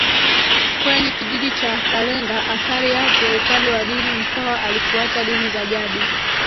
kwenye kijiji cha KalengaAthari yake upande wa dini Mkwawa alifuata dini za jadi